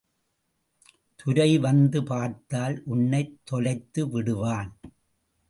துரை வந்து பார்த்தால் உன்னைத் தொலைத்து விடுவான்.